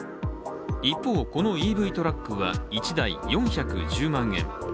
一方、このＥＶトラックは１台４１０万円。